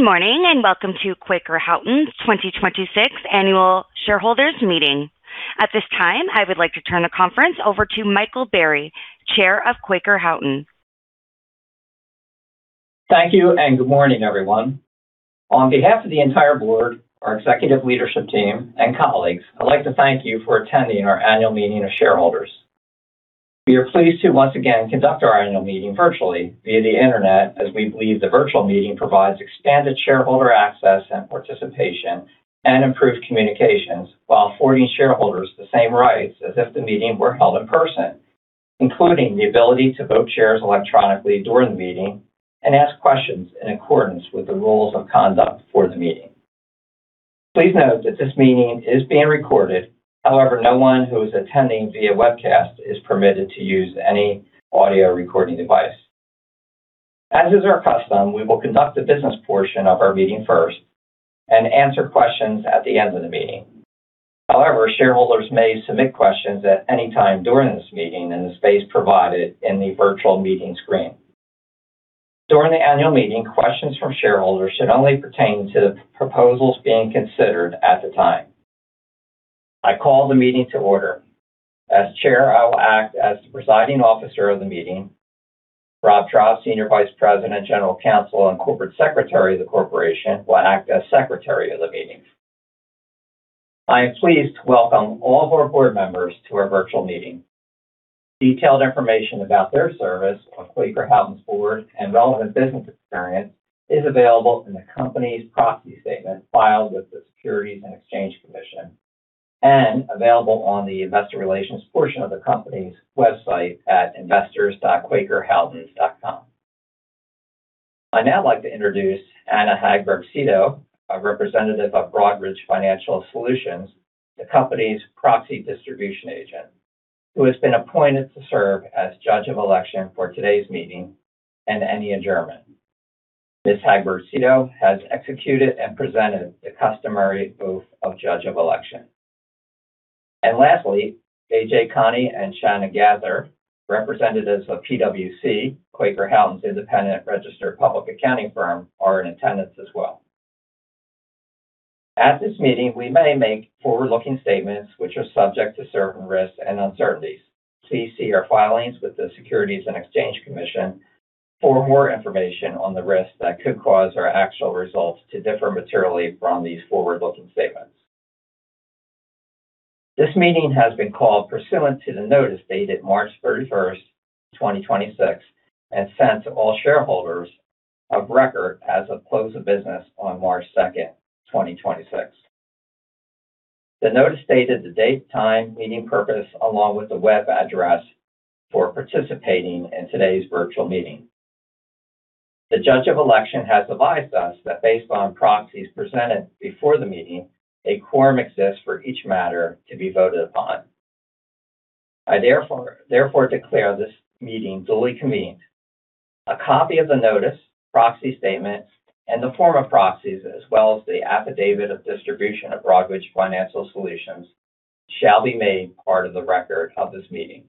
Good morning, welcome to Quaker Houghton 2026 Annual Shareholders Meeting. At this time, I would like to turn the conference over to Michael Barry, Chair of Quaker Houghton. Thank you and good morning, everyone. On behalf of the entire board, our executive leadership team, and colleagues, I'd like to thank you for attending our annual meeting of shareholders. We are pleased to once again conduct our annual meeting virtually via the internet, as we believe the virtual meeting provides expanded shareholder access and participation and improved communications while affording shareholders the same rights as if the meeting were held in person, including the ability to vote shares electronically during the meeting and ask questions in accordance with the rules of conduct for the meeting. Please note that this meeting is being recorded. However, no one who is attending via webcast is permitted to use any audio recording device. As is our custom, we will conduct the business portion of our meeting first and answer questions at the end of the meeting. However, shareholders may submit questions at any time during this meeting in the space provided in the virtual meeting screen. During the annual meeting, questions from shareholders should only pertain to the proposals being considered at the time. I call the meeting to order. As Chair, I will act as the presiding officer of the meeting. Rob Traub, Senior Vice President, General Counsel, and Corporate Secretary of the corporation, will act as Secretary of the meeting. I am pleased to welcome all of our board members to our virtual meeting. Detailed information about their service on Quaker Houghton's board and relevant business experience is available in the company's proxy statement filed with the Securities and Exchange Commission and available on the investor relations portion of the company's website at investors.quakerhoughton.com. I'd now like to introduce Anna Hagberg-Cito, a representative of Broadridge Financial Solutions, the company's proxy distribution agent, who has been appointed to serve as Judge of Election for today's meeting and any adjournment. Ms. Hagberg-Cito has executed and presented the customary oath of Judge of Election. Lastly, A.J. Conti and Shana Gatter, representatives of PwC, Quaker Houghton's independent registered public accounting firm, are in attendance as well. At this meeting, we may make forward-looking statements which are subject to certain risks and uncertainties. Please see our filings with the Securities and Exchange Commission for more information on the risks that could cause our actual results to differ materially from these forward-looking statements. This meeting has been called pursuant to the notice dated March 31st, 2026, and sent to all shareholders of record as of close of business on March 2nd, 2026. The notice stated the date, time, meeting purpose, along with the web address for participating in today's virtual meeting. The Judge of Election has advised us that based on proxies presented before the meeting, a quorum exists for each matter to be voted upon. I therefore declare this meeting duly convened. A copy of the notice, proxy statement, and the form of proxies, as well as the affidavit of distribution of Broadridge Financial Solutions, shall be made part of the record of this meeting.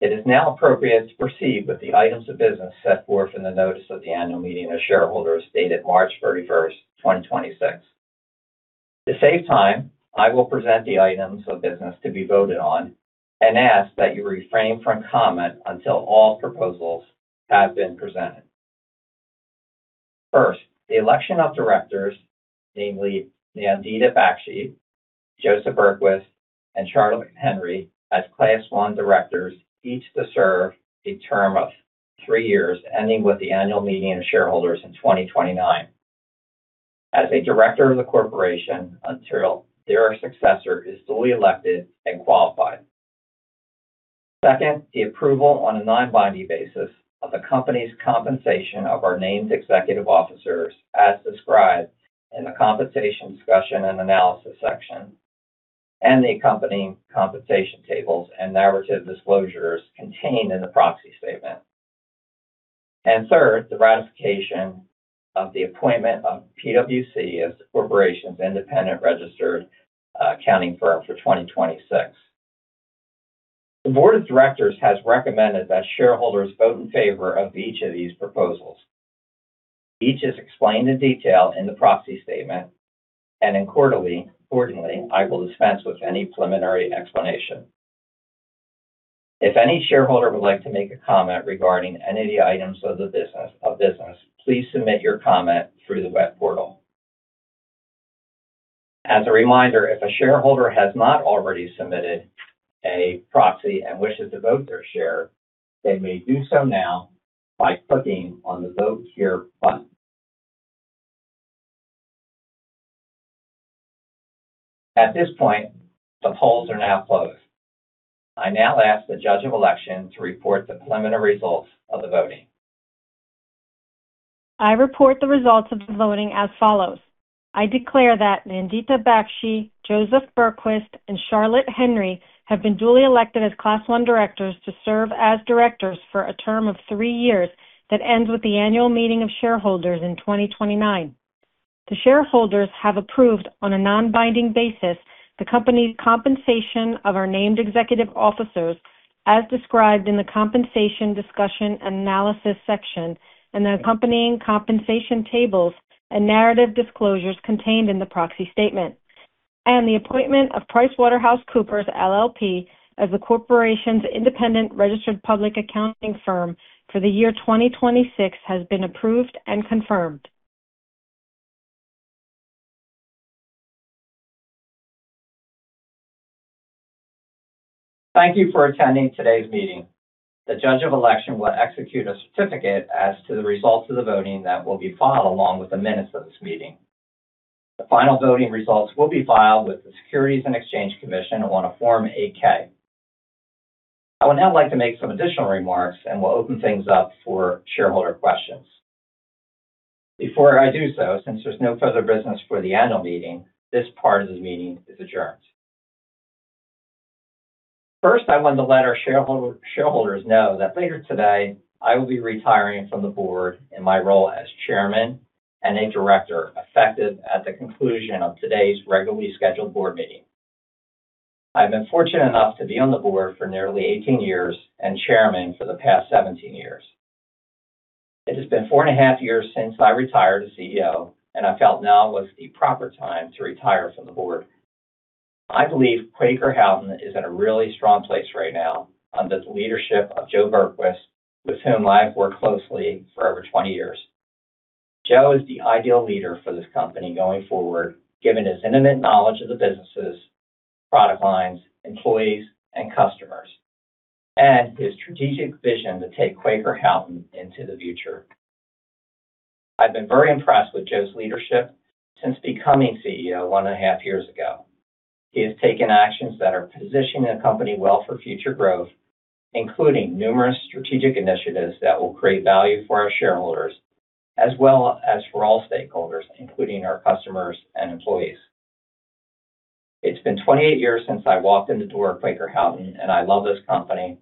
It is now appropriate to proceed with the items of business set forth in the notice of the annual meeting of shareholders dated March 31st, 2026. To save time, I will present the items of business to be voted on and ask that you refrain from comment until all proposals have been presented. First, the election of directors, namely Nandita Bakhshi, Joseph Berquist, and Charlotte Henry as Class 1 directors, each to serve a term of three years, ending with the Annual Meeting of Shareholders in 2029 as a director of the corporation until their successor is duly elected and qualified. Second, the approval on a non-binding basis of the company's compensation of our named executive officers as described in the compensation discussion and analysis section and the accompanying compensation tables and narrative disclosures contained in the proxy statement. Third, the ratification of the appointment of PwC as the corporation's independent registered accounting firm for 2026. The board of directors has recommended that shareholders vote in favor of each of these proposals. Each is explained in detail in the proxy statement, and in quarterly, I will dispense with any preliminary explanation. If any shareholder would like to make a comment regarding any of the items of the business, please submit your comment through the web portal. As a reminder, if a shareholder has not already submitted a proxy and wishes to vote their share, they may do so now by clicking on the Vote Here button. At this point, the polls are now closed. I now ask the Judge of Election to report the preliminary results of the voting. I report the results of the voting as follows. I declare that Nandita Bakhshi, Joseph Berquist, and Charlotte Henry have been duly elected as Class 1 directors to serve as directors for a term of three years that ends with the Annual Meeting of Shareholders in 2029. The shareholders have approved on a non-binding basis the company's compensation of our named executive officers as described in the Compensation Discussion and Analysis section and the accompanying compensation tables and narrative disclosures contained in the proxy statement. The appointment of PricewaterhouseCoopers LLP as the corporation's independent registered public accounting firm for the year 2026 has been approved and confirmed. Thank you for attending today's meeting. The Judge of Election will execute a certificate as to the results of the voting that will be filed along with the minutes of this meeting. The final voting results will be filed with the Securities and Exchange Commission on a Form 8-K. I would now like to make some additional remarks, and we'll open things up for shareholder questions. Before I do so, since there's no further business for the annual meeting, this part of the meeting is adjourned. First, I want to let our shareholders know that later today, I will be retiring from the board in my role as Chairman and a Director, effective at the conclusion of today's regularly scheduled board meeting. I've been fortunate enough to be on the board for nearly 18 years and Chairman for the past 17 years. It has been 4.5 years since I retired as CEO, and I felt now was the proper time to retire from the board. I believe Quaker Houghton is in a really strong place right now under the leadership of Joe Berquist, with whom I have worked closely for over 20 years. Joe is the ideal leader for this company going forward, given his intimate knowledge of the businesses, product lines, employees, and customers, and his strategic vision to take Quaker Houghton into the future. I've been very impressed with Joe's leadership since becoming CEO 1.5 years ago. He has taken actions that are positioning the company well for future growth, including numerous strategic initiatives that will create value for our shareholders as well as for all stakeholders, including our customers and employees. It's been 28 years since I walked in the door of Quaker Houghton. I love this company.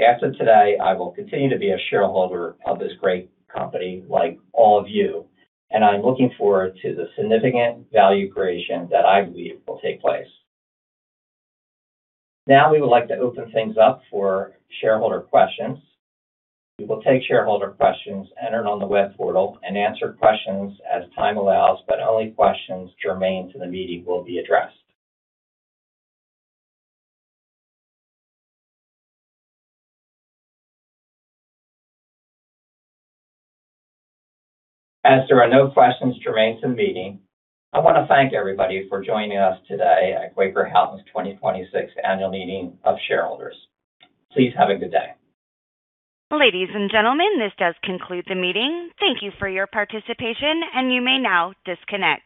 As of today, I will continue to be a shareholder of this great company like all of you. I'm looking forward to the significant value creation that I believe will take place. Now we would like to open things up for shareholder questions. We will take shareholder questions entered on the web portal and answer questions as time allows. Only questions germane to the meeting will be addressed. As there are no questions germane to the meeting, I want to thank everybody for joining us today at Quaker Houghton's 2026 Annual Meeting of Shareholders. Please have a good day. Ladies and gentlemen, this does conclude the meeting. Thank you for your participation, and you may now disconnect.